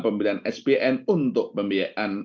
pembelian spn untuk pembiayaan